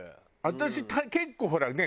私結構ほらね